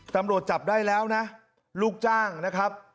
ตำรวจจับได้แล้วนะลูกจ้างนะครับ